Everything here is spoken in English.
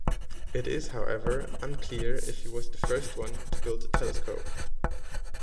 It is however unclear if he was the first one to build a telescope.